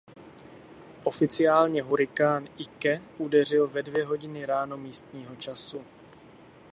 Oficiálně hurikán Ike udeřil ve dvě hodiny ráno místního času.